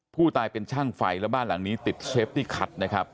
ผู้ตายเป็นช่างไฟและบ้านหลังนี้ติดเชฟที่ขัดนะครับ